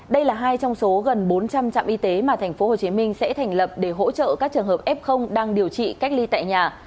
đây là hai trong số gần bốn trăm linh trạm y tế mà tp hcm sẽ thành lập để hỗ trợ các trường hợp f đang điều trị cách ly tại nhà